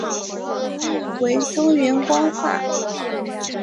母语为中原官话。